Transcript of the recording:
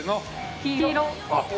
黄色。